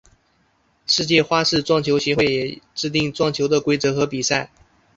世界花式撞球协会也制定撞球的规则和比赛。